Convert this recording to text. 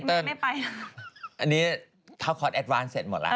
เฮ้ยแม่ไม่ไปนะอันนี้คะวคอร์ดแอดวานเสร็จหมดแล้ว